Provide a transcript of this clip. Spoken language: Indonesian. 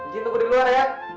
jin tunggu di luar ya